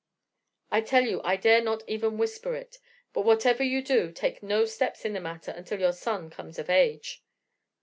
I tell you I dare not even whisper it; but whatever you do, take no steps in the matter until your son comes of age."